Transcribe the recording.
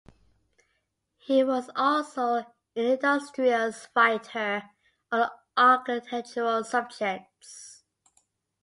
He was also an industrious writer on architectural subjects.